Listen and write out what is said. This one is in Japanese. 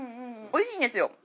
おいしいんですよ。